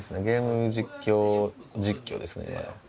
ゲーム実況実況ですね。